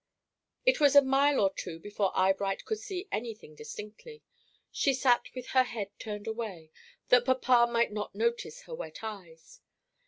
It was a mile or two before Eyebright could see any thing distinctly. She sat with her head turned away, that papa might not notice her wet eyes.